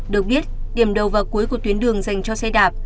được biết điểm đầu và cuối của tuyến đường dành cho xe đạp